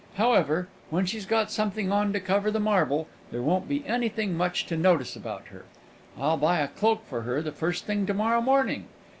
However, when she's got something on to cover the marble, there won't be anything much to notice about her. I'll buy a cloak for her the first thing to morrow morning.